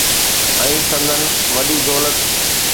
۽ سندن وڏي دولت.